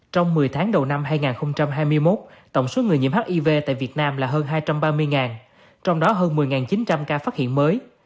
trong một mươi tháng đầu năm hai nghìn hai mươi một tổng số người nhiễm hiv tại việt nam là hơn hai trăm ba mươi trong đó hơn một mươi chín trăm linh ca phát hiện mới